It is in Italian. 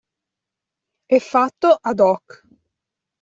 È fatto ad hoc.